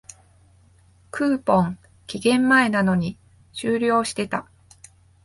クーポン、期限前なのに終了してた